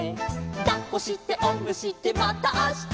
「だっこしておんぶしてまたあした」